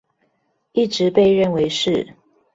一直被認為是